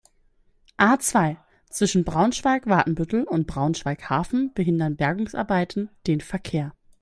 A-zwei, zwischen Braunschweig-Watenbüttel und Braunschweig-Hafen behindern Bergungsarbeiten den Verkehr.